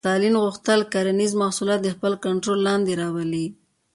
ستالین غوښتل کرنیز محصولات تر خپل کنټرول لاندې راولي